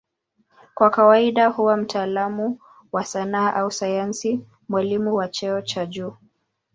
Kwa kawaida huwa mtaalamu wa sanaa au sayansi, mwalimu wa cheo cha juu.